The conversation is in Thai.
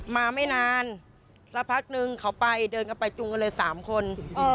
มาไม่นานสักพักนึงเขาไปเดินกันไปจุงกันเลย๓คน